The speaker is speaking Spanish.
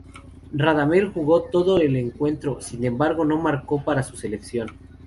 Radamel jugó todo el encuentro, sin embargo, no marcó para su selección.